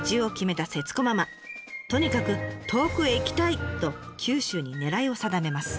とにかく遠くへ行きたい！と九州に狙いを定めます。